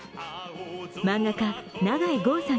漫画家、永井豪さん